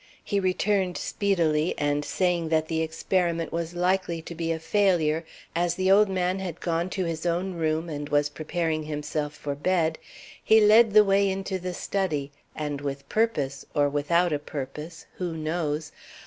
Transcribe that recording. He returned speedily, and saying that the experiment was likely to be a failure, as the old man had gone to his own room and was preparing himself for bed, he led the way into the study, and with purpose, or without a purpose who knows?